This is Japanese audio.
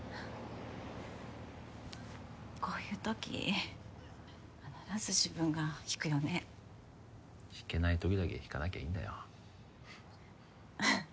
こういう時必ず自分が引くよね引けない時だけ引かなきゃいいんだよ